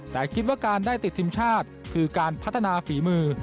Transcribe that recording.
แต่คิดว่าการได้ติดทีมชาติคือการพัฒนาฝีมือ